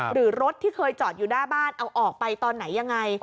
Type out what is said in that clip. หรือรถที่เคยจอดอยู่หน้าบ้านเอาออกไปตอนไหนยังไง